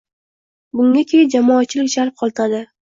Bunga keng jamoatchilik jalb qilinadi.